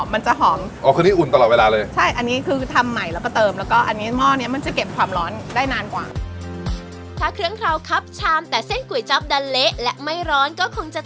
เส้นก็จะทำร้อนต้องก็ตอบว่าเพราะมันความอร่อยของก๋วยจั๊บมันก็อยู่ที่ความอุ่นร้อนหอมมันจะหอม